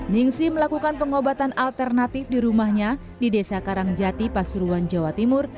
ningsi melakukan pengobatan alternatif di rumahnya di desa karangjati pasuruan jawa timur